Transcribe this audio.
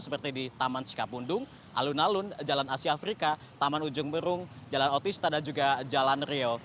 seperti di taman cikapundung alun alun jalan asia afrika taman ujung berung jalan otista dan juga jalan rio